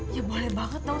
ya boleh banget dong sayang